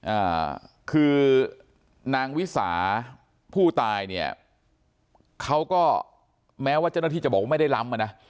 อ่าคือนางวิสาผู้ตายเนี่ยเขาก็แม้ว่าเจ้าหน้าที่จะบอกว่าไม่ได้ล้ำอ่ะนะ